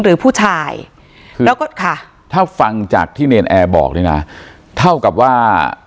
หรือผู้ชายแล้วก็ค่ะถ้าฟังจากที่เนรนแอร์บอกเนี่ยนะเท่ากับว่า